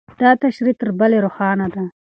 دا تشریح تر بلې روښانه ده.